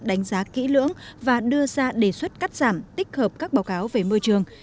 đánh giá kỹ lưỡng và đưa ra đề xuất cắt giảm tích hợp các báo cáo về môi trường